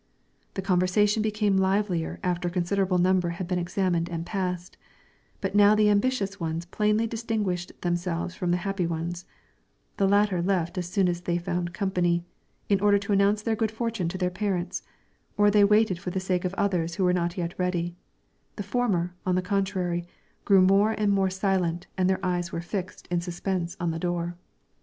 The conversation became livelier after a considerable number had been examined and passed; but now the ambitious ones plainly distinguished themselves from the happy ones; the latter left as soon as they found company, in order to announce their good fortune to their parents, or they waited for the sake of others who were not yet ready; the former, on the contrary, grew more and more silent and their eyes were fixed in suspense on the door.